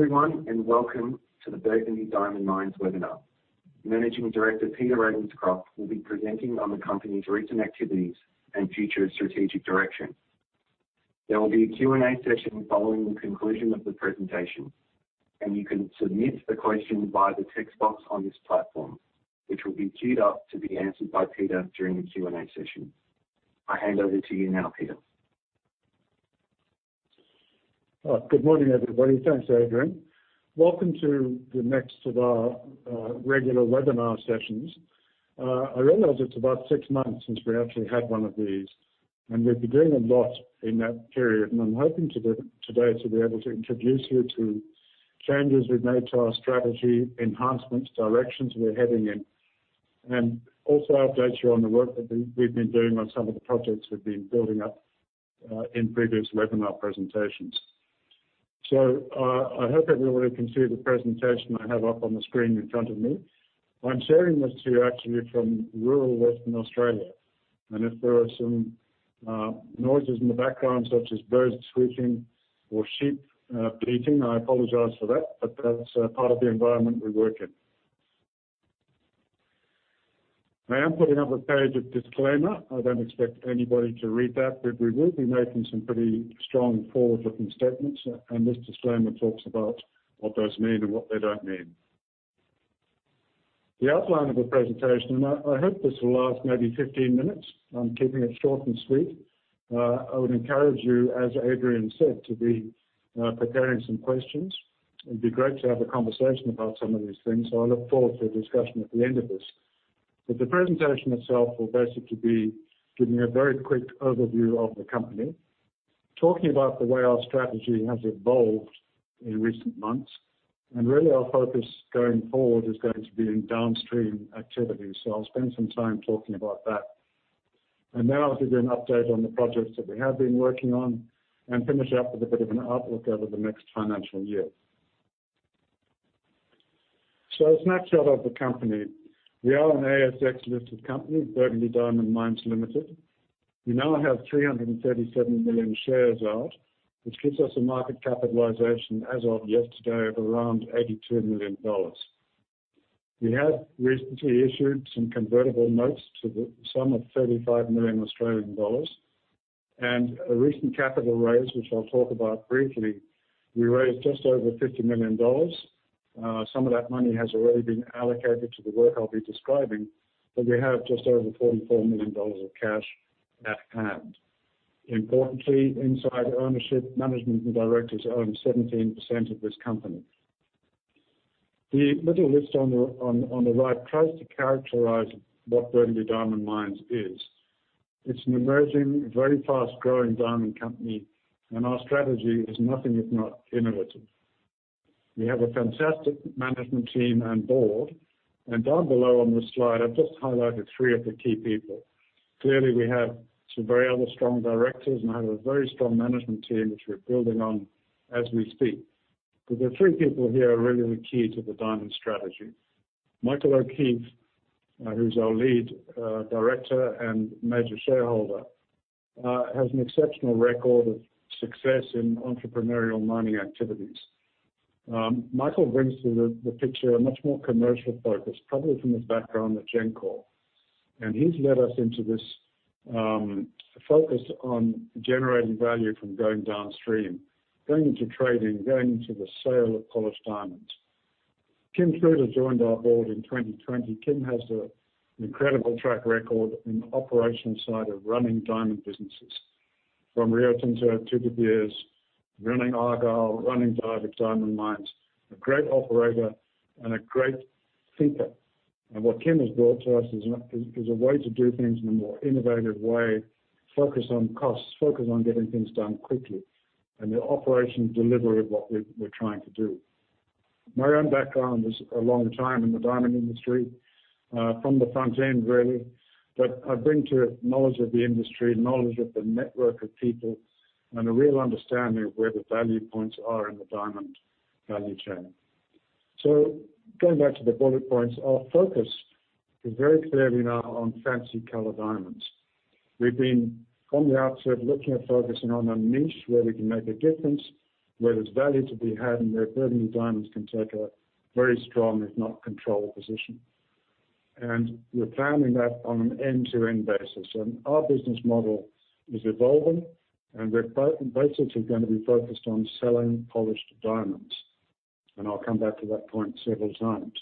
Hello, everyone, and welcome to the Burgundy Diamond Mines webinar. Managing Director Peter Ravenscroft will be presenting on the company's recent activities and future strategic direction. There will be a Q and A session following the conclusion of the presentation, and you can submit the question via the text box on this platform, which will be queued up to be answered by Peter during the Q and A session. I hand over to you now, Peter. Good morning, everybody. Thanks, Adrian. Welcome to the next of our regular webinar sessions. I realize it's about six months since we actually had one of these, and we've been doing a lot in that period. I'm hoping today to be able to introduce you to changes we've made to our strategy, enhancements, directions we're heading in. Also update you on the work that we've been doing on some of the projects we've been building up in previous webinar presentations. I hope everybody can see the presentation I have up on the screen in front of me. I'm sharing this to you actually from rural Western Australia. If there are some noises in the background, such as birds squeaking or sheep bleating, I apologize for that, but that's a part of the environment we work in. I am putting up a page of disclaimer. I don't expect anybody to read that, but we will be making some pretty strong forward-looking statements, and this disclaimer talks about what those mean and what they don't mean. The outline of the presentation, and I hope this will last maybe 15 minutes. I'm keeping it short and sweet. I would encourage you, as Adrian said, to be preparing some questions. It'd be great to have a conversation about some of these things, I look forward to a discussion at the end of this. The presentation itself will basically be giving a very quick overview of the company, talking about the way our strategy has evolved in recent months. Really our focus going forward is going to be in downstream activities. I'll spend some time talking about that. I'll give you an update on the projects that we have been working on, and finish up with a bit of an outlook over the next financial year. A snapshot of the company. We are an ASX-listed company, Burgundy Diamond Mines Limited. We now have 337 million shares out, which gives us a market capitalization, as of yesterday, of around 82 million dollars. We have recently issued some convertible notes to the sum of 35 million Australian dollars. A recent capital raise, which I'll talk about briefly. We raised just over 50 million dollars. Some of that money has already been allocated to the work I'll be describing, but we have just over 44 million dollars of cash at hand. Importantly, inside ownership, management and directors own 17% of this company. The little list on the right tries to characterize what Burgundy Diamond Mines is. It's an emerging, very fast-growing diamond company, and our strategy is nothing if not innovative. We have a fantastic management team and board. Down below on this slide, I've just highlighted three of the key people. Clearly, we have some very other strong directors, and have a very strong management team which we're building on as we speak. The three people here are really the key to the diamond strategy. Michael O'Keeffe, who's our lead director and major shareholder, has an exceptional record of success in entrepreneurial mining activities. Michael brings to the picture a much more commercial focus, probably from his background at Glencore. He's led us into this focus on generating value from going downstream, going into trading, going into the sale of polished diamonds. Kim Truter joined our board in 2020. Kim has an incredible track record in the operations side of running diamond businesses, from Rio Tinto to De Beers, running Argyle, running Diavik Diamond Mine. A great operator and a great thinker. What Kim has brought to us is a way to do things in a more innovative way, focused on costs, focused on getting things done quickly, and the operations delivery of what we're trying to do. My own background is a long time in the diamond industry, from the front end, really. I bring to it knowledge of the industry, knowledge of the network of people, and a real understanding of where the value points are in the diamond value chain. Going back to the bullet points, our focus is very clearly now on fancy color diamonds. We've been, from the outset, looking at focusing on a niche where we can make a difference, where there's value to be had, and where Burgundy Diamond Mines can take a very strong, if not control, position. We're planning that on an end-to-end basis. Our business model is evolving, and we're basically going to be focused on selling polished diamonds. I'll come back to that point several times.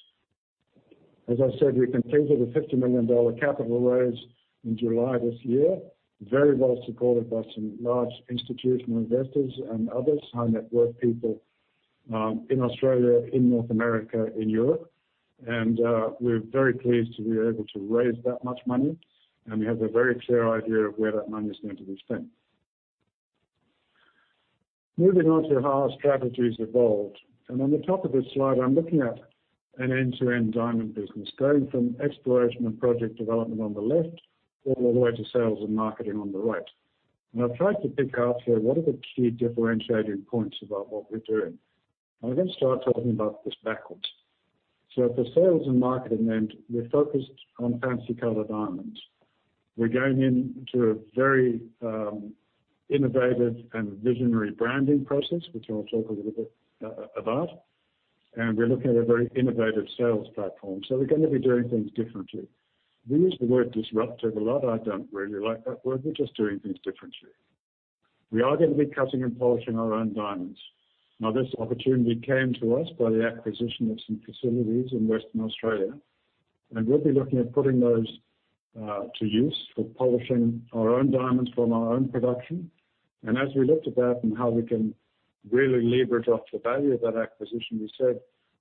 As I said, we completed a 50 million dollar capital raise in July this year, very well supported by some large institutional investors and others, high-net-worth people in Australia, in North America, in Europe. We're very pleased to be able to raise that much money, and we have a very clear idea of where that money is going to be spent. Moving on to how our strategy's evolved. On the top of this slide, I'm looking at an end-to-end diamond business. Going from exploration and project development on the left, all the way to sales and marketing on the right. I've tried to pick out here what are the key differentiating points about what we're doing. I'm going to start talking about this backwards. At the sales and marketing end, we're focused on fancy color diamonds. We're going into a very innovative and visionary branding process, which I'll talk a little bit about. We're looking at a very innovative sales platform. We're going to be doing things differently. We use the word disruptive a lot. I don't really like that word. We're just doing things differently. We are going to be cutting and polishing our own diamonds. This opportunity came to us by the acquisition of some facilities in Western Australia, and we'll be looking at putting those to use for polishing our own diamonds from our own production. As we looked at that and how we can really leverage off the value of that acquisition, we said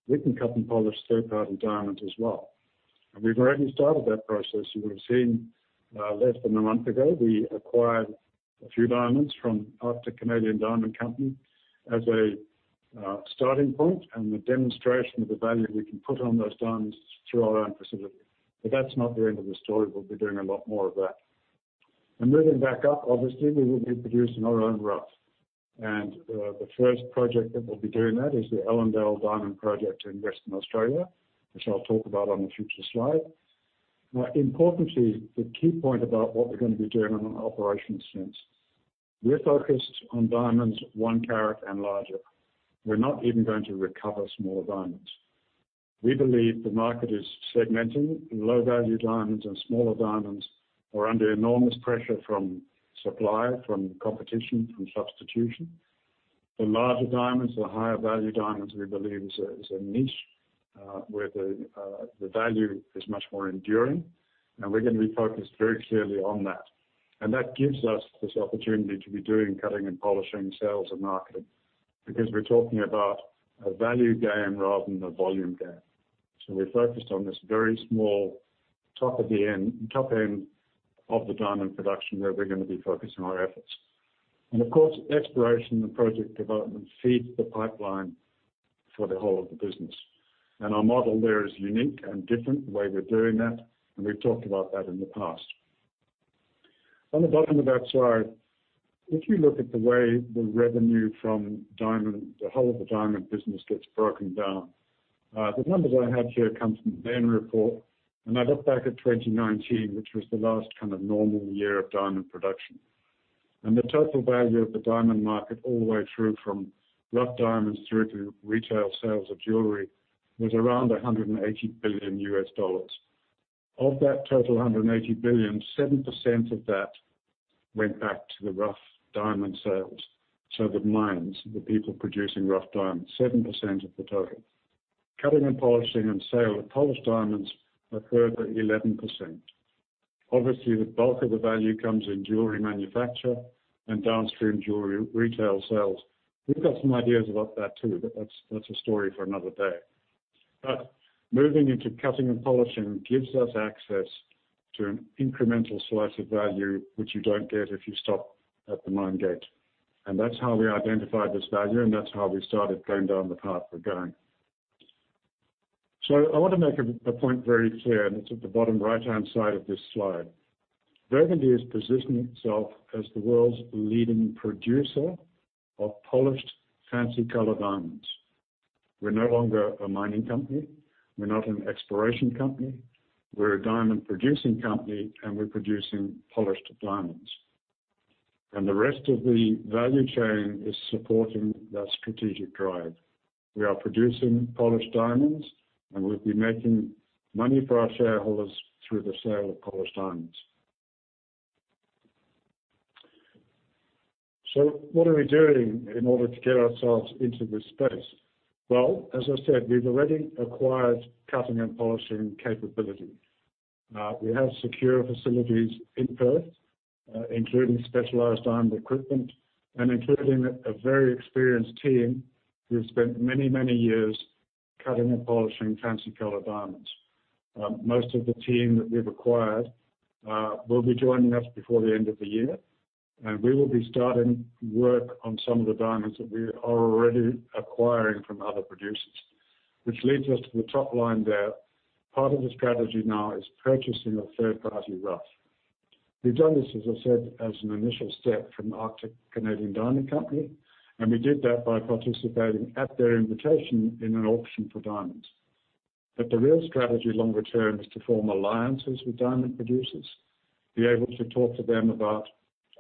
we can cut and polish third-party diamonds as well. We've already started that process. You would've seen, less than a month ago, we acquired a few diamonds from Arctic Canadian Diamond Company as a starting point and the demonstration of the value we can put on those diamonds through our own facility. That's not the end of the story. We'll be doing a lot more of that. Moving back up, obviously, we will be producing our own rough. The first project that we'll be doing that is the Ellendale Diamond Project in Western Australia, which I'll talk about on a future slide. Importantly, the key point about what we're going to be doing on an operations sense, we're focused on diamonds 1-carat and larger. We're not even going to recover smaller diamonds. We believe the market is segmenting. Low-value diamonds and smaller diamonds are under enormous pressure from supply, from competition, from substitution. The larger diamonds, the higher value diamonds, we believe, is a niche, where the value is much more enduring. We're going to be focused very clearly on that. That gives us this opportunity to be doing cutting and polishing, sales and marketing, because we're talking about a value game rather than a volume game. We're focused on this very small top end of the diamond production, where we're going to be focusing our efforts. Of course, exploration and project development feed the pipeline for the whole of the business. Our model there is unique and different, the way we're doing that, and we've talked about that in the past. On the bottom of that slide, if you look at the way the revenue from the whole of the diamond business gets broken down, the numbers I have here come from the Bain report. I look back at 2019, which was the last kind of normal year of diamond production. The total value of the diamond market all the way through, from rough diamonds through to retail sales of jewelry, was around $180 billion. Of that total, $180 billion, 7% of that went back to the rough diamond sales, so the mines, the people producing rough diamonds, 7% of the total. Cutting and polishing and sale of polished diamonds, a further 11%. Obviously, the bulk of the value comes in jewelry manufacture and downstream jewelry retail sales. We've got some ideas about that too, but that's a story for another day. Moving into cutting and polishing gives us access to an incremental slice of value, which you don't get if you stop at the mine gate. That's how we identified this value, and that's how we started going down the path we're going. I want to make a point very clear, and it's at the bottom right-hand side of this slide. Burgundy is positioning itself as the world's leading producer of polished, fancy color diamonds. We're no longer a mining company. We're not an exploration company. We're a diamond producing company. We're producing polished diamonds. The rest of the value chain is supporting that strategic drive. We are producing polished diamonds. We'll be making money for our shareholders through the sale of polished diamonds. What are we doing in order to get ourselves into this space? Well, as I said, we've already acquired cutting and polishing capability. We have secure facilities in Perth, including specialized diamond equipment and including a very experienced team who have spent many, many years cutting and polishing fancy color diamonds. Most of the team that we've acquired will be joining us before the end of the year. We will be starting work on some of the diamonds that we are already acquiring from other producers. Which leads us to the top line there. Part of the strategy now is purchasing of third-party rough. We've done this, as I said, as an initial step from Arctic Canadian Diamond Company. We did that by participating at their invitation in an auction for diamonds. The real strategy longer term is to form alliances with diamond producers, be able to talk to them about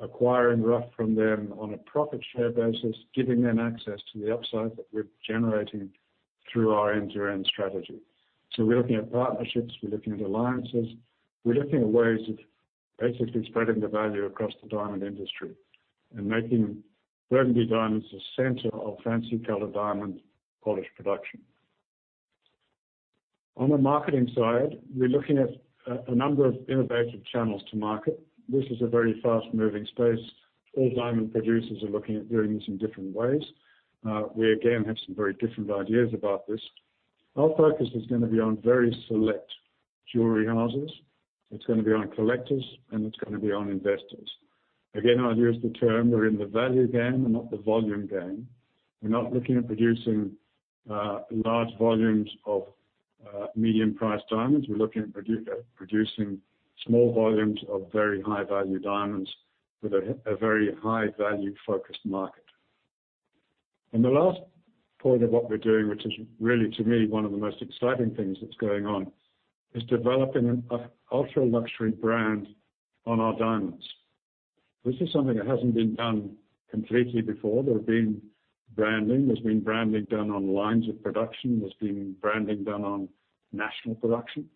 acquiring rough from them on a profit share basis, giving them access to the upside that we're generating through our end-to-end strategy. We're looking at partnerships, we're looking at alliances, we're looking at ways of basically spreading the value across the diamond industry and making Burgundy Diamonds the center of fancy colored diamond polished production. On the marketing side, we're looking at a number of innovative channels to market. This is a very fast-moving space. All diamond producers are looking at doing this in different ways. We again have some very different ideas about this. Our focus is going to be on very select jewelry houses. It's going to be on collectors, and it's going to be on investors. Again, I use the term we're in the value game and not the volume game. We're not looking at producing large volumes of medium-priced diamonds. We're looking at producing small volumes of very high-value diamonds with a very high-value-focused market. The last point of what we're doing, which is really, to me, one of the most exciting things that's going on, is developing an ultra-luxury brand on our diamonds. This is something that hasn't been done completely before. There has been branding. There's been branding done on lines of production. There's been branding done on national production.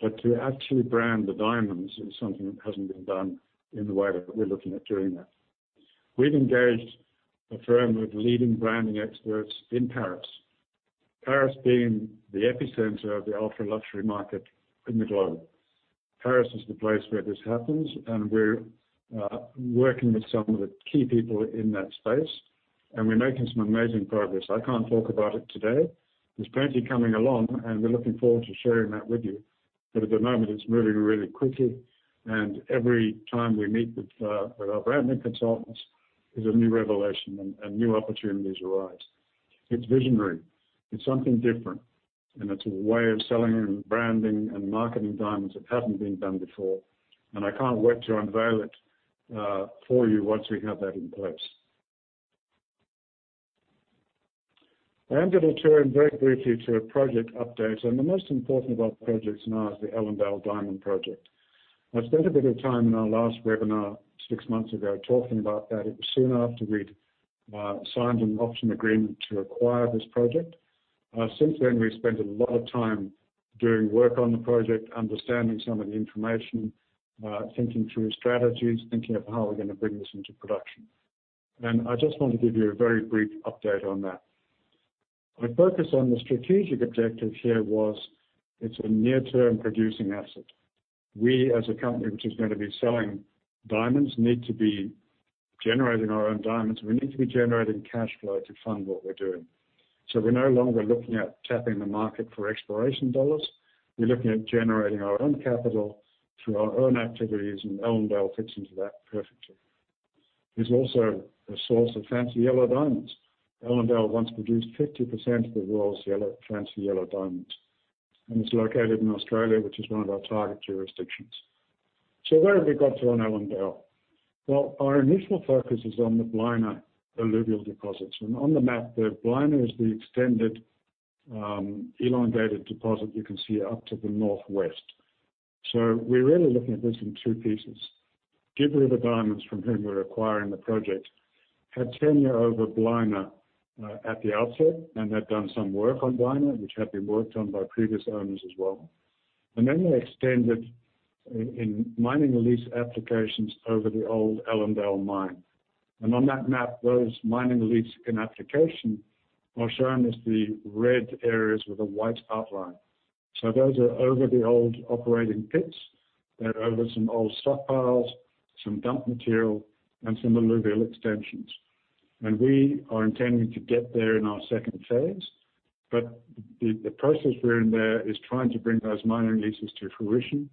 To actually brand the diamonds is something that hasn't been done in the way that we're looking at doing that. We've engaged a firm of leading branding experts in Paris. Paris being the epicenter of the ultra-luxury market in the globe. Paris is the place where this happens, and we're working with some of the key people in that space, and we're making some amazing progress. I can't talk about it today. There's plenty coming along, and we're looking forward to sharing that with you. At the moment, it's moving really quickly, and every time we meet with our branding consultants is a new revelation and new opportunities arise. It's visionary. It's something different, and it's a way of selling and branding and marketing diamonds that hasn't been done before. I can't wait to unveil it for you once we have that in place. I am going to turn very briefly to project updates. The most important of our projects now is the Ellendale Diamond Project. I spent a bit of time in our last webinar six months ago talking about that. It was soon after we'd signed an option agreement to acquire this project. Since then, we've spent a lot of time doing work on the project, understanding some of the information, thinking through strategies, thinking of how we're going to bring this into production. I just want to give you a very brief update on that. My focus on the strategic objective here was it's a near-term producing asset. We, as a company which is going to be selling diamonds, need to be generating our own diamonds. We need to be generating cash flow to fund what we're doing. We're no longer looking at tapping the market for exploration dollars. We're looking at generating our own capital through our own activities, Ellendale fits into that perfectly. It's also a source of fancy yellow diamonds. Ellendale once produced 50% of the world's fancy yellow diamonds, it's located in Australia, which is one of our target jurisdictions. What have we got there on Ellendale? Well, our initial focus is on the Blina alluvial deposits. On the map there, Blina is the extended, elongated deposit you can see up to the northwest. We're really looking at this in two pieces. Gibb River Diamonds, from whom we're acquiring the project, had tenure over Blina at the outset and had done some work on Blina, which had been worked on by previous owners as well. Then they extended in mining lease applications over the old Ellendale mine. On that map, those mining lease in application are shown as the red areas with a white outline. Those are over the old operating pits. They're over some old stockpiles, some dump material, and some alluvial extensions. We are intending to get there in our second phase. The process we're in there is trying to bring those mining leases to fruition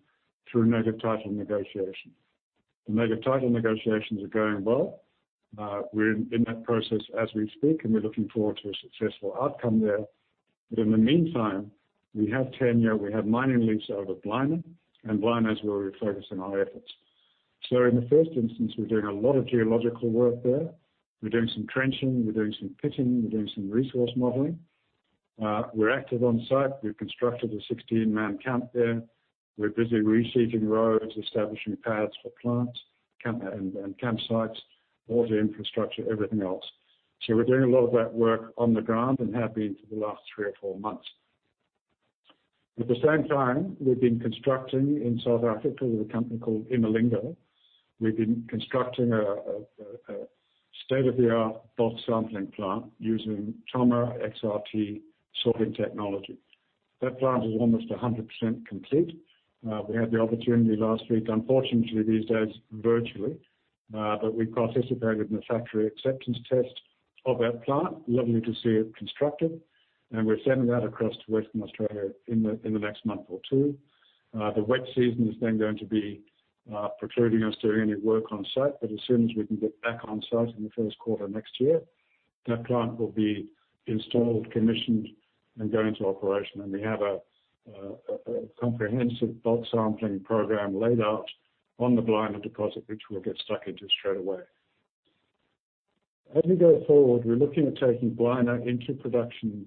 through Native Title negotiation. The Native Title negotiations are going well. We're in that process as we speak, and we're looking forward to a successful outcome there. In the meantime, we have tenure, we have mining lease over Blina, and Blina is where we're focusing our efforts. In the first instance, we're doing a lot of geological work there. We're doing some trenching, we're doing some pitting, we're doing some resource modeling. We're active on-site. We've constructed a 16-man camp there. We're busy reseeding roads, establishing pads for plants and campsites, water infrastructure, everything else. We're doing a lot of that work on the ground and have been for the last three or four months. At the same time, we've been constructing in South Africa with a company called Imilingo. We've been constructing a state-of-the-art bulk sampling plant using trommel XRT sorting technology. That plant is almost 100% complete. We had the opportunity last week, unfortunately, these days, virtually, but we participated in the factory acceptance test of that plant. Lovely to see it constructed. We're sending that across to Western Australia in the next month or two. The wet season is then going to be precluding us doing any work on-site, as soon as we can get back on site in the first quarter next year, that plant will be installed, commissioned, and go into operation. We have a comprehensive bulk sampling program laid out on the Blina deposit, which we'll get stuck into straightaway. As we go forward, we're looking at taking Blina into production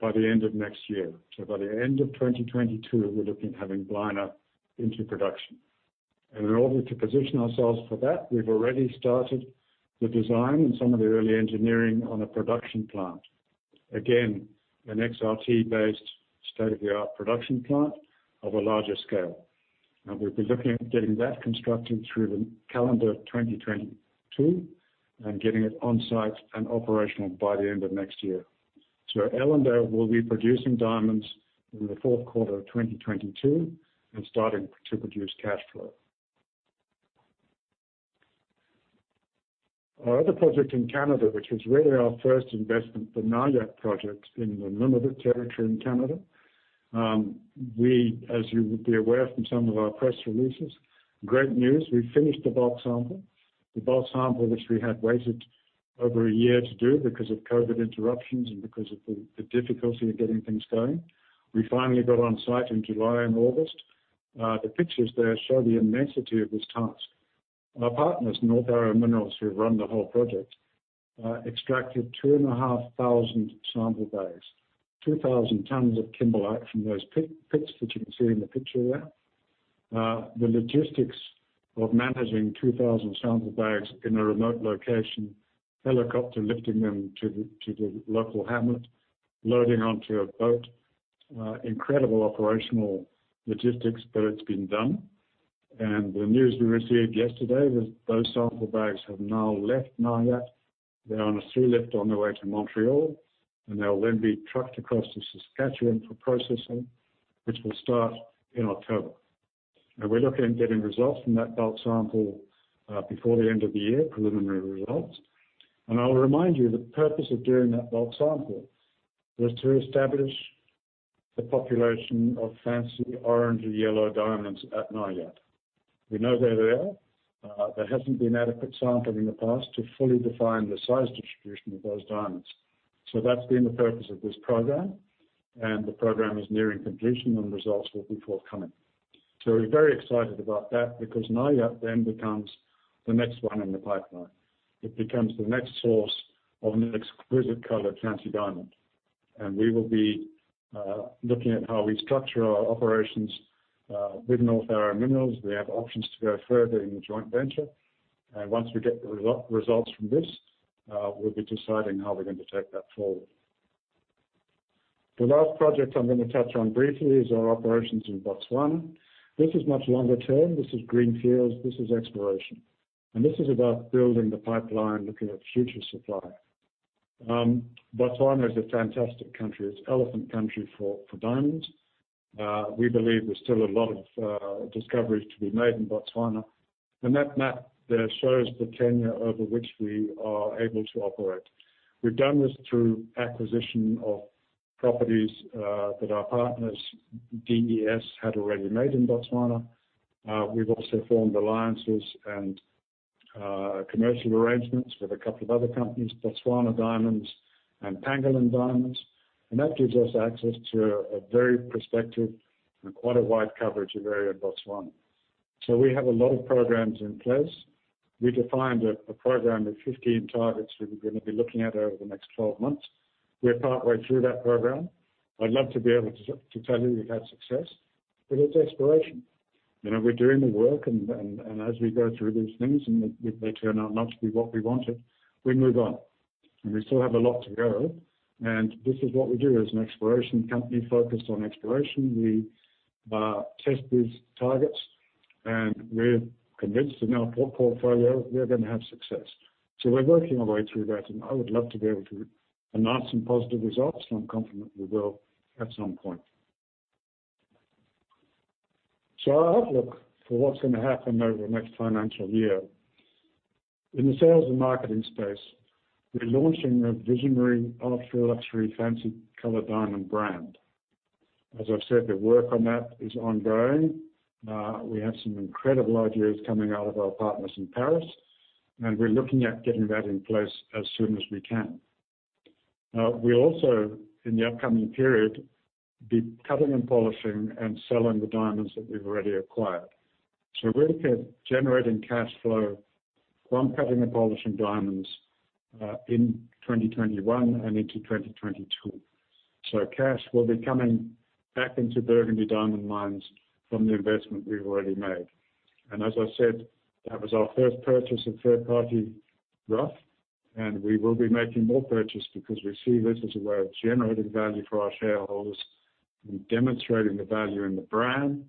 by the end of next year. By the end of 2022, we're looking at having Blina into production. In order to position ourselves for that, we've already started the design and some of the early engineering on a production plant. Again, an XRT-based state-of-the-art production plant of a larger scale. We'll be looking at getting that constructed through the calendar 2022 and getting it on-site and operational by the end of next year. Ellendale will be producing diamonds in the fourth quarter of 2022 and starting to produce cash flow. Our other project in Canada, which was really our first investment, the Naujaat project in the Nunavut territory in Canada. We, as you would be aware from some of our press releases, great news, we finished the bulk sample. The bulk sample, which we had waited over a year to do because of COVID interruptions and because of the difficulty of getting things going. We finally got on-site in July and August. The pictures there show the immensity of this task. Our partners, North Arrow Minerals, who run the whole project, extracted 2,500 sample bags, 2,000 tons of kimberlite from those pits which you can see in the picture there. The logistics of managing 2,000 sample bags in a remote location, helicopter lifting them to the local hamlet, loading onto a boat. Incredible operational logistics, it's been done. The news we received yesterday was those sample bags have now left Naujaat, they're on a sea lift on their way to Montreal, and they'll then be trucked across to Saskatchewan for processing, which will start in October. We're looking at getting results from that bulk sample before the end of the year, preliminary results. I'll remind you, the purpose of doing that bulk sample was to establish the population of fancy orange and yellow diamonds at Naujaat. We know they're there. There hasn't been adequate sampling in the past to fully define the size distribution of those diamonds. That's been the purpose of this program, and the program is nearing completion and results will be forthcoming. We're very excited about that because Naujaat then becomes the next one in the pipeline. It becomes the next source of an exquisite color fancy diamond. We will be looking at how we structure our operations with North Arrow Minerals. We have options to go further in the joint venture. Once we get the results from this, we'll be deciding how we're going to take that forward. The last project I'm going to touch on briefly is our operations in Botswana. This is much longer term. This is greenfields. This is exploration. This is about building the pipeline, looking at future supply. Botswana is a fantastic country. It's elephant country for diamonds. We believe there's still a lot of discoveries to be made in Botswana. That map there shows the tenure over which we are able to operate. We've done this through acquisition of properties that our partners, DES, had already made in Botswana. We've also formed alliances and commercial arrangements with a couple of other companies, Botswana Diamonds and Pangolin Diamonds. That gives us access to a very prospective and quite a wide coverage area in Botswana. We have a lot of programs in place. We defined a program of 15 targets that we're going to be looking at over the next 12 months. We're partway through that program. I'd love to be able to tell you we've had success, but it's exploration. We're doing the work, as we go through these things and they turn out not to be what we wanted, we move on. We still have a lot to go. This is what we do as an exploration company focused on exploration. We test these targets, and we're convinced in our portfolio we are going to have success. We're working our way through that, and I would love to be able to announce some positive results, and I'm confident we will at some point. Our outlook for what's going to happen over the next financial year. In the sales and marketing space, we're launching a visionary, ultra-luxury, fancy color diamond brand. As I've said, the work on that is ongoing. We have some incredible ideas coming out of our partners in Paris, and we're looking at getting that in place as soon as we can. We also, in the upcoming period, be cutting and polishing and selling the diamonds that we've already acquired. We're looking at generating cash flow from cutting and polishing diamonds in 2021 and into 2022. Cash will be coming back into Burgundy Diamond Mines from the investment we've already made. As I said, that was our first purchase of third-party rough, and we will be making more purchase because we see this as a way of generating value for our shareholders and demonstrating the value in the brand,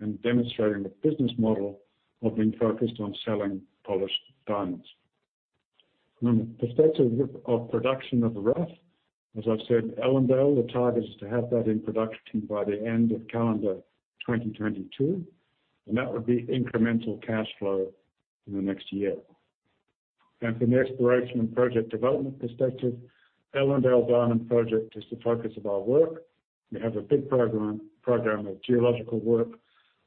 and demonstrating the business model of being focused on selling polished diamonds. From the perspective of production of rough, as I've said, Ellendale, the target is to have that in production by the end of calendar 2022, and that would be incremental cash flow in the next year. From the exploration and project development perspective, Ellendale Diamond Project is the focus of our work. We have a big program of geological work,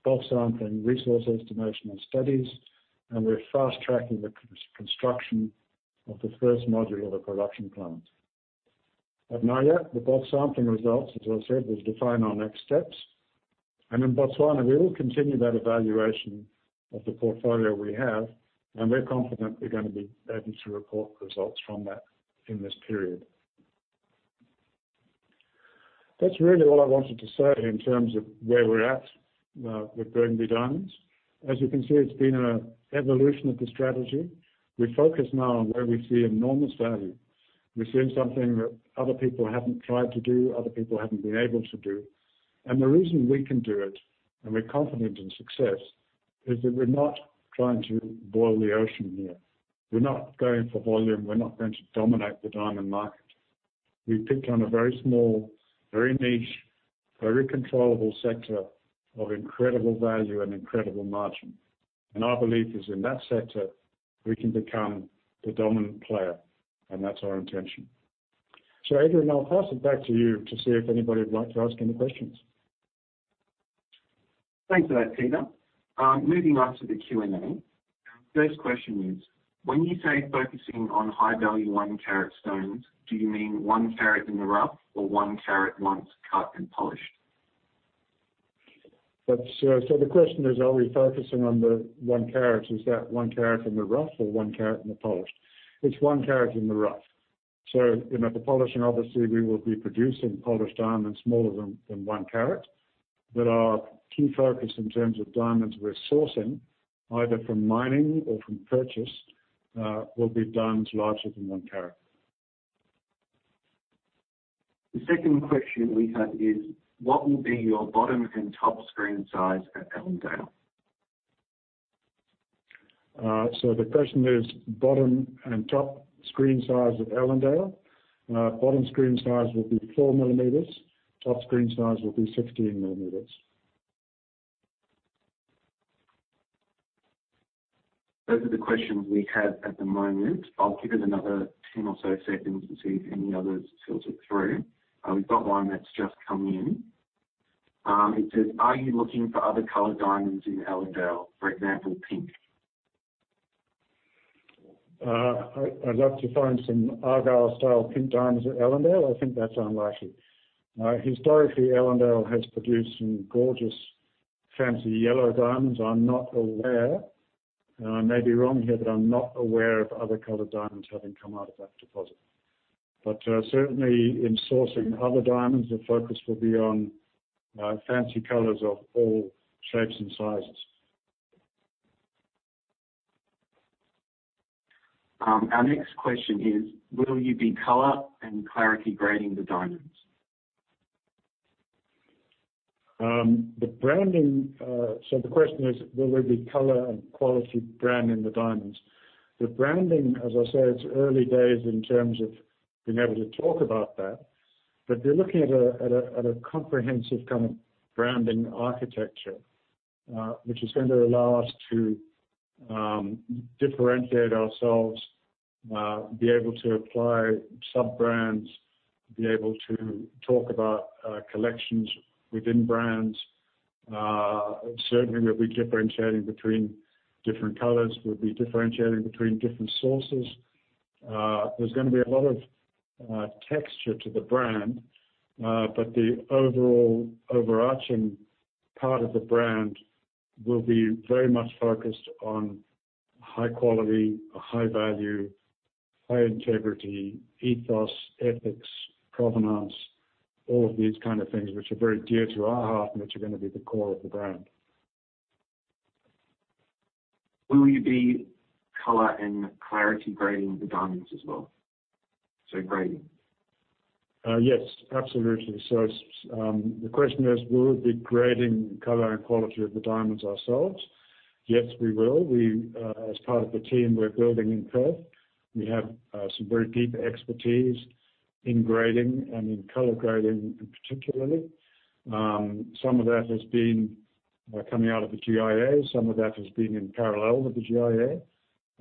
bulk sampling, resource estimation, and studies, and we're fast-tracking the construction of the first module of a production plant. At Naujaat, the bulk sampling results, as I said, will define our next steps. In Botswana, we will continue that evaluation of the portfolio we have, and we're confident we're going to be able to report results from that in this period. That's really all I wanted to say in terms of where we're at with Burgundy Diamonds. As you can see, it's been an evolution of the strategy. We focus now on where we see enormous value. We're seeing something that other people haven't tried to do, other people haven't been able to do. The reason we can do it, and we're confident in success, is that we're not trying to boil the ocean here. We're not going for volume. We're not going to dominate the diamond market. We've picked on a very small, very niche, very controllable sector of incredible value and incredible margin. Our belief is in that sector, we can become the dominant player, and that's our intention. Adrian, I'll pass it back to you to see if anybody would like to ask any questions. Thanks for that, Peter. Moving on to the Q and A. First question is: When you say focusing on high-value 1-carat stones, do you mean one carat in the rough or 1-carat once cut and polished? The question is, are we focusing on the 1-carat? Is that 1-carat in the rough or 1-carat in the polished? It's 1-carat in the rough. The polishing, obviously, we will be producing polished diamonds smaller than 1-carat. Our key focus in terms of diamonds we're sourcing, either from mining or from purchase, will be diamonds larger than one carat. The second question we have is what will be your bottom and top screen size at Ellendale? The question is bottom and top screen size of Ellendale. Bottom screen size will be 4 millimeters, top screen size will be 16 millimeters. Those are the questions we have at the moment. I'll give it another 10 or so seconds and see if any others filter through. We've got one that's just come in. It says, "Are you looking for other colored diamonds in Ellendale, for example, pink? I'd love to find some Argyle-style pink diamonds at Ellendale. I think that's unlikely. Historically, Ellendale has produced some gorgeous fancy yellow diamonds. I may be wrong here, but I'm not aware of other colored diamonds having come out of that deposit. Certainly, in sourcing other diamonds, the focus will be on fancy colors of all shapes and sizes. Our next question is: will you be color and clarity grading the diamonds? The question is: will we be color and quality grading the diamonds? The grading, as I said, it's early days in terms of being able to talk about that. We're looking at a comprehensive kind of branding architecture, which is going to allow us to differentiate ourselves, be able to apply sub-brands, be able to talk about collections within brands. Certainly, we'll be differentiating between different colors. We'll be differentiating between different sources. There's going to be a lot of texture to the brand. The overall overarching part of the brand will be very much focused on high quality, high value, high integrity, ethos, ethics, provenance, all of these kind of things which are very dear to our heart and which are going to be the core of the brand. Will you be color and clarity grading the diamonds as well? grading. Yes, absolutely. The question is, will we be grading color and quality of the diamonds ourselves? Yes, we will. As part of the team we're building in Perth, we have some very deep expertise in grading and in color grading, particularly. Some of that has been coming out of the GIA, some of that has been in parallel with the GIA.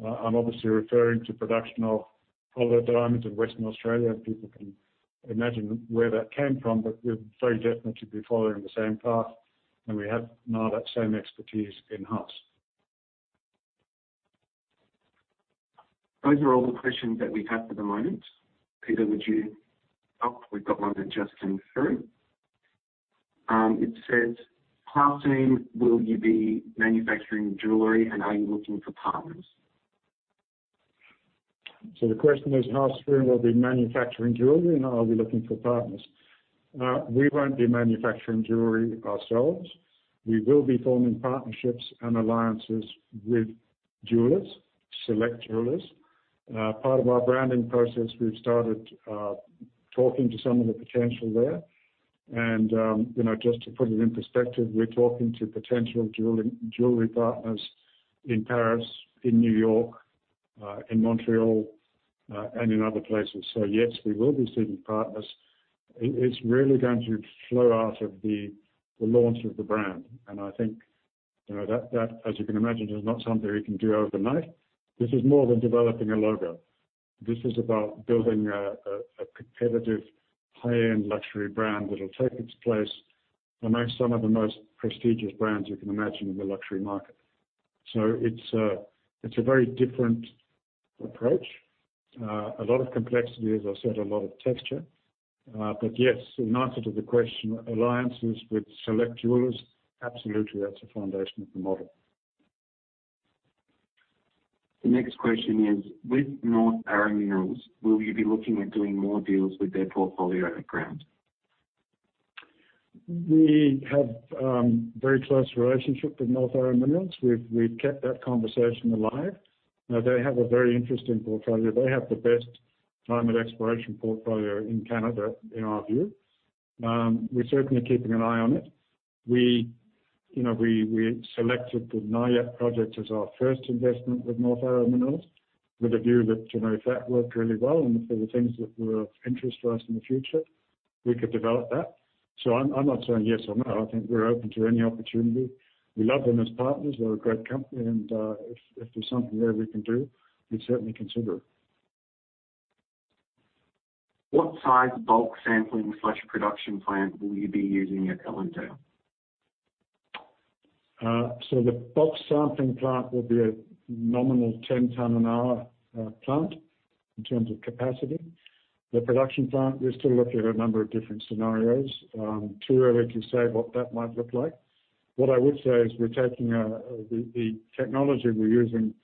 I'm obviously referring to production of colored diamonds in Western Australia, and people can imagine where that came from, but we're very definitely following the same path, and we have now that same expertise in-house. Those are all the questions that we have for the moment. Peter, Oh, we've got one that just came through. It says, "How soon will you be manufacturing jewelry, and are you looking for partners? The question is: How soon we'll be manufacturing jewelry, and are we looking for partners? We won't be manufacturing jewelry ourselves. We will be forming partnerships and alliances with select jewelers. Part of our branding process, we've started talking to some of the potential there. Just to put it in perspective, we're talking to potential jewelry partners in Paris, in New York, in Montreal, and in other places. Yes, we will be seeking partners. It's really going to flow out of the launch of the brand. I think that, as you can imagine, is not something we can do overnight. This is more than developing a logo. This is about building a competitive high-end luxury brand that will take its place amongst some of the most prestigious brands you can imagine in the luxury market. It's a very different approach. A lot of complexity, as I said, a lot of texture. Yes, in answer to the question, alliances with select jewelers, absolutely. That's the foundation of the model. The next question is: with North Arrow Minerals, will you be looking at doing more deals with their portfolio of ground? We have a very close relationship with North Arrow Minerals. We've kept that conversation alive. They have a very interesting portfolio. They have the best diamond exploration portfolio in Canada, in our view. We're certainly keeping an eye on it. We selected the Naujaat project as our first investment with North Arrow Minerals with a view that if that worked really well and if there were things that were of interest to us in the future, we could develop that. I'm not saying yes or no. I think we're open to any opportunity. We love them as partners. They're a great company and if there's something there we can do, we'd certainly consider it. What size bulk sampling/production plant will you be using at Ellendale? The bulk sampling plant will be a nominal 10 ton an hour plant in terms of capacity. The production plant, we're still looking at a number of different scenarios. Too early to say what that might look like. What I would say is, the technology we're using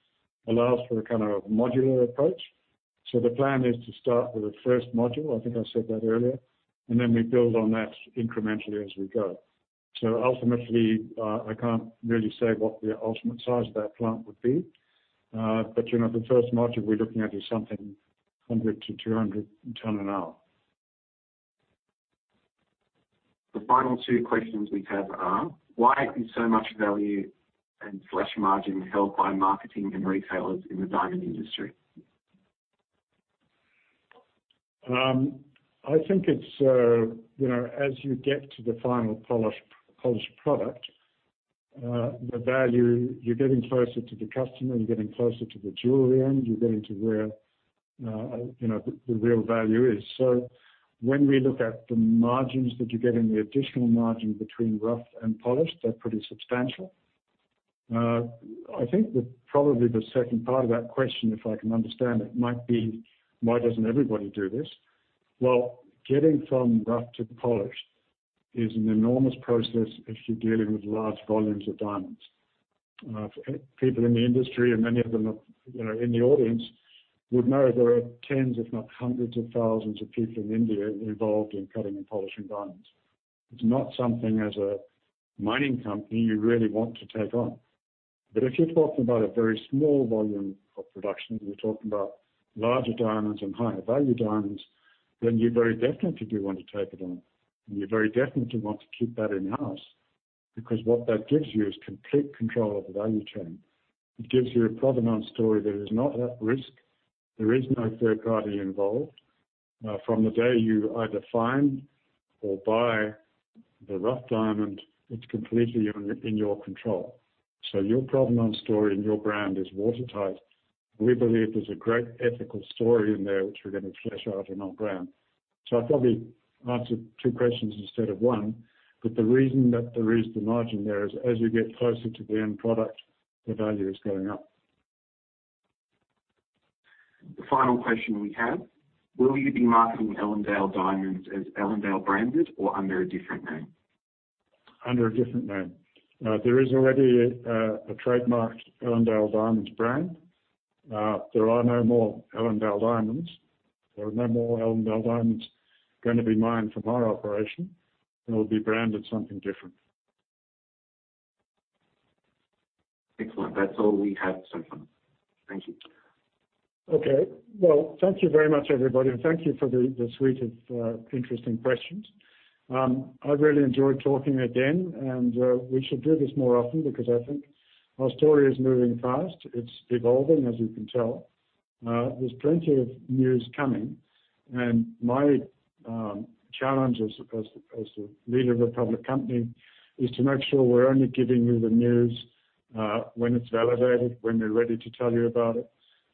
allows for a kind of modular approach. The plan is to start with the first module, I think I said that earlier, and then we build on that incrementally as we go. Ultimately, I can't really say what the ultimate size of that plant would be. The first module we're looking at is something 100 to 200 ton an hour. The final two questions we have are, why is so much value and slash margin held by marketing and retailers in the diamond industry? I think, as you get to the final polished product, the value, you're getting closer to the customer, you're getting closer to the jewelry end, you're getting to where the real value is. When we look at the margins that you get and the additional margin between rough and polished, they're pretty substantial. I think that probably the second part of that question, if I can understand it, might be why doesn't everybody do this? Well, getting from rough to polished is an enormous process if you're dealing with large volumes of diamonds. People in the industry, and many of them in the audience, would know there are tens if not hundreds of thousands of people in India involved in cutting and polishing diamonds. It's not something as a mining company you really want to take on. If you're talking about a very small volume of production, we're talking about larger diamonds and higher value diamonds, then you very definitely do want to take it on, and you very definitely want to keep that in-house. What that gives you is complete control of the value chain. It gives you a provenance story that is not at risk. There is no third party involved. From the day you either find or buy the rough diamond, it's completely in your control. Your provenance story and your brand is watertight. We believe there's a great ethical story in there, which we're going to flesh out in our brand. I probably answered two questions instead of one, but the reason that there is the margin there is, as we get closer to the end product, the value is going up. The final question we have: Will you be marketing Ellendale diamonds as Ellendale branded or under a different name? Under a different name. There is already a trademarked Ellendale Diamonds brand. There are no more Ellendale diamonds. There are no more Ellendale diamonds going to be mined from our operation, and it will be branded something different. Excellent. That's all we have, Peter. Thank you. Okay. Well, thank you very much, everybody. Thank you for the suite of interesting questions. I really enjoyed talking again. We should do this more often because I think our story is moving fast. It's evolving, as you can tell. There's plenty of news coming. My challenge, I suppose, as the leader of a public company, is to make sure we're only giving you the news when it's validated, when we're ready to tell you about it.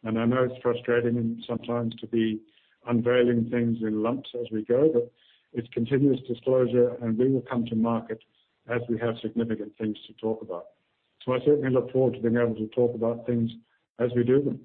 I know it's frustrating sometimes to be unveiling things in lumps as we go, but it's continuous disclosure and we will come to market as we have significant things to talk about. I certainly look forward to being able to talk about things as we do them.